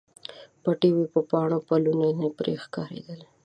پټې وې په پاڼو، پلونه نه پرې ښکاریدل